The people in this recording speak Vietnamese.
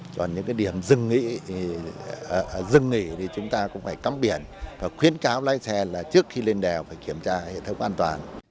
còn những điểm dưng nghỉ thì chúng ta cũng phải cắm biển và khuyến cáo lái xe là trước khi lên đèo phải kiểm tra hệ thống an toàn